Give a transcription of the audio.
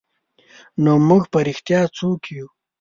نو موږ په رښتیا څوک یو؟